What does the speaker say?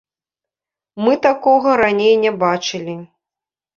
Мы такога раней не бачылі.